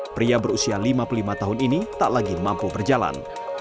pria berusia lima puluh lima tahun ini tak lagi mampu berjalan